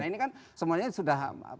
nah ini kan semuanya sudah persoalannya ada apa